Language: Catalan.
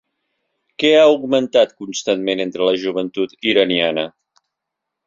Què ha augmentat constantment entre la joventut iraniana?